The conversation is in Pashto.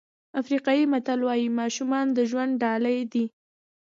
افریقایي متل وایي ماشومان د ژوند ډالۍ دي.